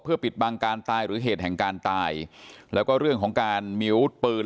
ปิดบังการตายหรือเหตุแห่งการตายแล้วก็เรื่องของการมีอาวุธปืน